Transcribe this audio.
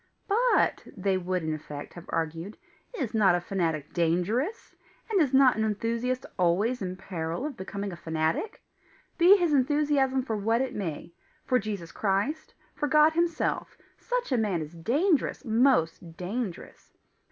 "But," they would in effect have argued, "is not a fanatic dangerous? and is not an enthusiast always in peril of becoming a fanatic? Be his enthusiasm for what it may for Jesus Christ, for God himself, such a man is dangerous most dangerous!